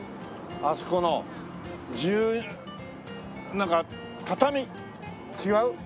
あそこの十なんか「たた味」？違う？